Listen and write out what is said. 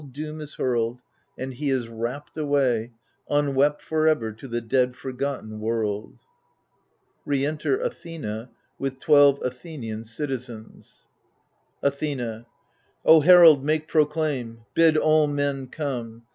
Doom is hurled, THE FURIES i6i And he is rapt away Unwept, for ever, to the dead forgotten world. [Re enter Athenoy with twelve Athenian citizens. Athena O herald, make proclaim, bid all men come.